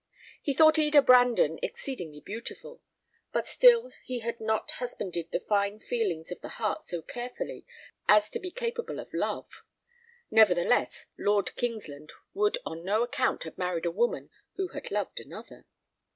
He thought Eda Brandon exceedingly beautiful; but still he had not husbanded the fine feelings of the heart so carefully as to be capable of love. Nevertheless, Lord Kingsland would on no account have married a woman who had loved another.